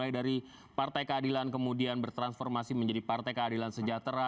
dari partai keadilan kemudian bertransformasi menjadi partai keadilan sejahtera